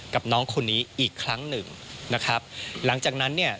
กับน้องคนนี้อีกครั้งหนึ่งนะครับหลังจากนั้นเนี่ย